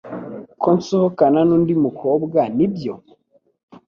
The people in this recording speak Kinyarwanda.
ko nsohokana nundi mukobwa nibyo?